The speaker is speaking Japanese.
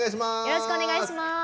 よろしくお願いします。